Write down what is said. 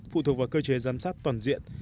phụ thuộc vào cơ chế giám sát toàn diện